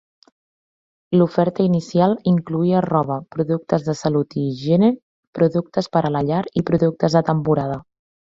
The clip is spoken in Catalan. L'oferta inicial incloïa roba, productes de salut i higiene, productes per a la llar i productes de temporada.